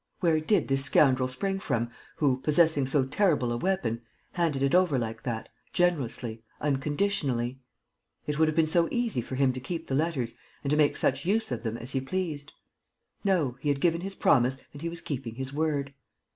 Where did this scoundrel spring from who, possessing so terrible a weapon, handed it over like that, generously, unconditionally? It would have been so easy for him to keep the letters and to make such use of them as he pleased! No, he had given his promise and he was keeping his word.